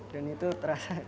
dan itu terasa capek banget